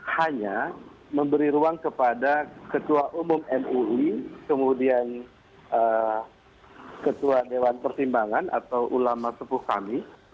hanya memberi ruang kepada ketua umum mui kemudian ketua dewan pertimbangan atau ulama sepuh kami